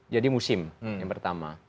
jadi musim yang pertama